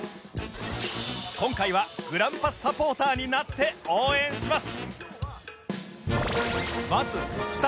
今回はグランパスサポーターになって応援します！